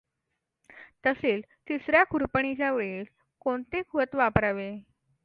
तसेच तिसर्या खुरपणीच्या वेळी कोणते खत वापरावे?